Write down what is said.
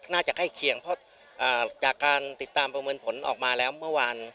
ใกล้เคียงเพราะจากการติดตามประเมินผลออกมาแล้วเมื่อวาน